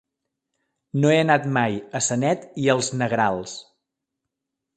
No he anat mai a Sanet i els Negrals.